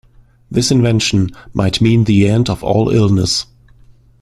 This invention might mean the end of all illness.